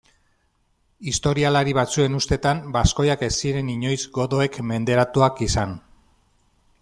Historialari batzuen ustetan baskoiak ez ziren inoiz godoek menderatuak izan.